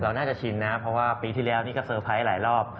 น่าจะชินนะเพราะว่าปีที่แล้วนี่ก็เซอร์ไพรส์หลายรอบ